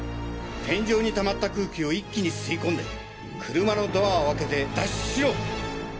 天井に溜まった空気を一気に吸い込んで車のドアを開けて脱出しろ！